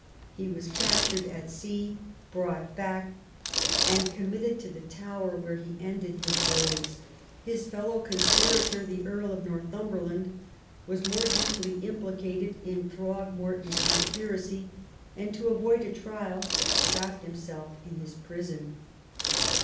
He was captured at sea, brought back, and 2i6 QUEEN ELIZABETH, committed to the Tower, where he ended his days. His fellow conspirator, the Earl of Northumberiand, was more deeply implicated in Thro^morton's con spiracy, and, to avoid a trial, shot himself in his prison.